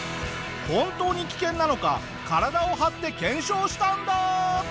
本当に危険なのか体を張って検証したんだ。